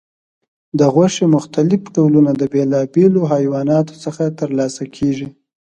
د غوښې مختلف ډولونه د بیلابیلو حیواناتو څخه ترلاسه کېږي.